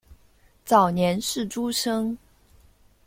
早年是诸生。